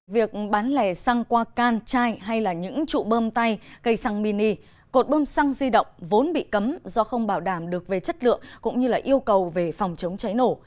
việc bán lẻ xăng qua can chai hay là những trụ bơm tay cây xăng mini cột bơm xăng di động vốn bị cấm do không bảo đảm được về chất lượng cũng như yêu cầu về phòng chống cháy nổ